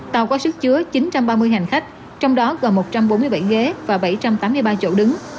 tàu có sức chứa chín trăm ba mươi hành khách trong đó gần một trăm bốn mươi bảy ghế và bảy trăm tám mươi ba chỗ đứng